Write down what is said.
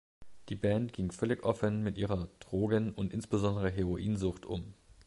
Die Band ging völlig offen mit ihrer Drogen- und insbesondere Heroinsucht um.